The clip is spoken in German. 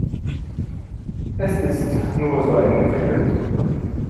Es ist nur so ein Gefühl.